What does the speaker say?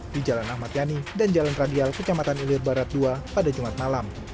di jalan ahmad yani dan jalan radial kecamatan ilir barat dua pada jumat malam